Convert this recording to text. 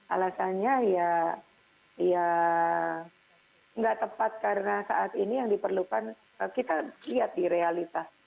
alasannya ya nggak tepat karena saat ini yang diperlukan kita lihat di realitas